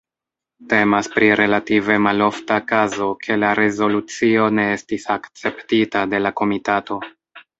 Temas pri relative malofta kazo ke la rezolucio ne estis akceptita de la komitato.